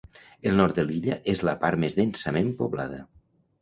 El nord de l'illa és la part més densament poblada.